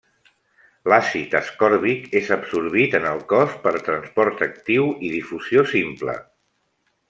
L'àcid ascòrbic és absorbit en el cos per transport actiu i difusió simple.